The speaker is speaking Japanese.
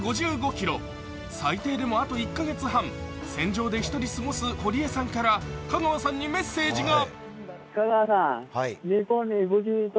最低でもあと１カ月半、船上で１人過ごす堀江さんから香川さんにメッセージが。